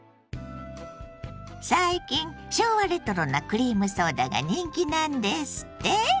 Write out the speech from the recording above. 最近昭和レトロなクリームソーダが人気なんですって？